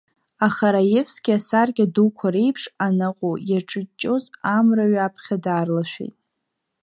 Аха Раевски асаркьа дуқәа реиԥш анаҟәоу иаҿыҷҷоз амра ҩаԥхьа даарлашәит.